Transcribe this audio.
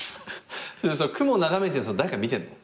それ雲眺めてるの誰か見てるの？